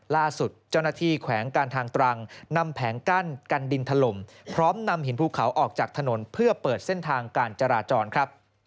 ล่าสุดเจ้าหน้าที่แขวงการทางตรังนำแผงกั้นกันดินถล่มพร้อมนำหินภูเขาออกจากถนนเพื่อเปิดเส้นทางการจราจรครับ